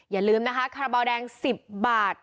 อย่าลืมนะคะคาราบาลแดง๑๐บาท